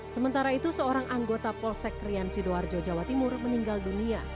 sementara itu seorang anggota polsek krian sidoarjo jawa timur meninggal dunia